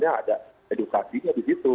ada edukasi gitu